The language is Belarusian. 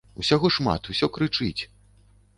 Усяго шмат, усё крычыць.